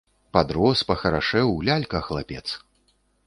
Падрос, пахарашэў, лялька хлапец.